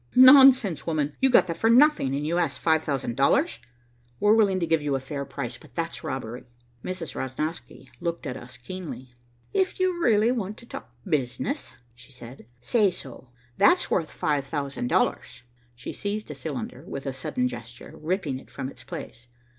"Nonsense, woman. You got that for nothing, and you ask five thousand dollars. We're willing to give you a fair price, but that's robbery." Mrs. Rosnosky looked at us keenly. "If you really want to talk business," she said, "say so. That's worth five thousand dollars." She seized a cylinder, with a sudden gesture, ripping it from its place.